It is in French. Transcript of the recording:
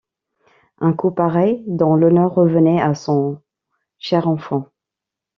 Un coup pareil, dont l’honneur revenait à son cher enfant